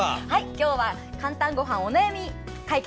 今日は「かんたんごはん」料理のお悩み解決